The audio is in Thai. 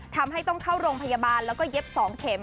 ทำให้ต้องเข้าโรงพยาบาลแล้วก็เย็บ๒เข็ม